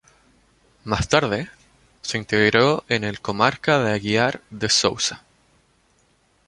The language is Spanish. Más tarde, se integró en el Comarca de Aguiar de Sousa.